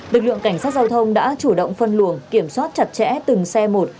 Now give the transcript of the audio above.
lực lượng cảnh sát giao thông đã chủ động phân luồng kiểm soát chặt chẽ từng xe một